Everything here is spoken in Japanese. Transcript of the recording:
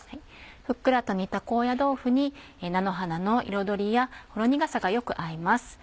ふっくらと煮た高野豆腐に菜の花の彩りやほろ苦さがよく合います。